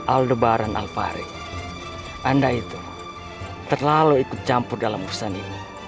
aldebaran alfarid anda itu terlalu ikut campur dalam perusahaan ini